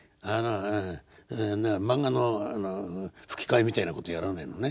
漫画の吹き替えみたいなことやらないのね。